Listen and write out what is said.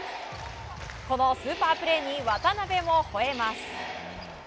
このスーパープレーに渡邊も吠えます。